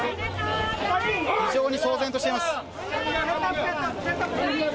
非常に騒然としています。